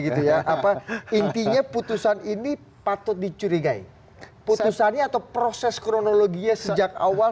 gitu ya apa intinya putusan ini patut dicurigai putusannya atau proses kronologinya sejak awal